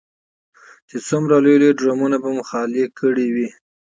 چې څومره لوی لوی ډرمونه به مو خالي کړي وي.